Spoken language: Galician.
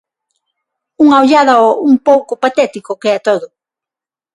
Unha ollada ao un pouco patético que é todo.